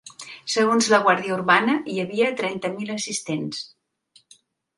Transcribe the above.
Segons la guàrdia urbana, hi havia trenta mil assistents.